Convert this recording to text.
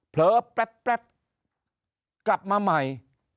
เผลอแป๊บกลับมาใหม่